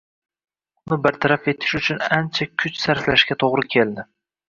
Uni bartaraf etish uchun ancha kuch sarflashga to‘g‘ri keldi